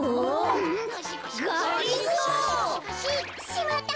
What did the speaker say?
しまった！